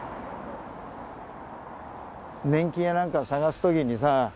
年金や何かを探す時にさ